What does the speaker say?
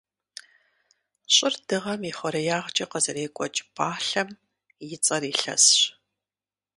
Щӏыр Дыгъэм и хъуреягъкӏэ къызэрекӏуэкӏ пӏалъэм и цӏэр илъэсщ.